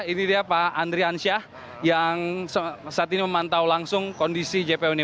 ini dia pak andrian syah yang saat ini memantau langsung kondisi jpo ini